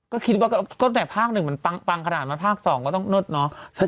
ก็คิดว่าก็แต่ภาคหนึ่งมันปังขนาดนั้นภาค๒ก็ต้องเนิดเนาะ